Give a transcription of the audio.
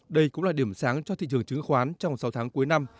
đây cũng là điểm sáng cho thị trường chứng khoán trong sáu tháng cuối năm